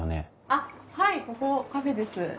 あっはいここカフェです。